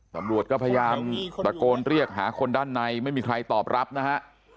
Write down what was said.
ตำรวจก็พยายามตะโกนเรียกหาคนด้านในไม่มีใครตอบรับนะฮะ